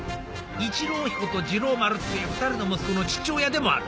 一郎彦と二郎丸っていう２人の息子の父親でもある。